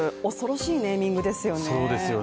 恐ろしいネーミングですよね